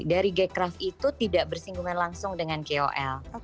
dari g craft itu tidak bersinggungan langsung dengan kol